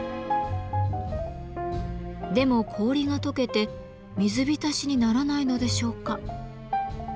でも氷がとけて水浸しにならないのでしょうか？